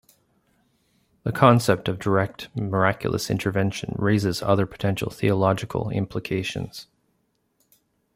The concept of direct miraculous intervention raises other potential theological implications.